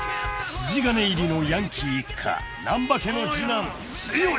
［筋金入りのヤンキー一家難破家の次男剛］